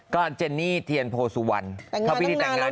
ก็เจนี่เถียนโภสุวรรณถ้าพี่ถิดีต่างงาน